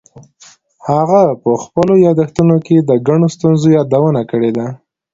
هغه په خپلو یادښتونو کې د ګڼو ستونزو یادونه کړې ده.